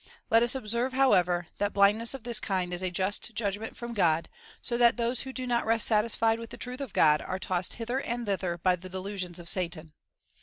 Let us observe, however, that blind ness of this kind is a just judgment from God, so that those who do not rest satisfied with the truth of God, are tossed hither and thither by the delusions of Satan.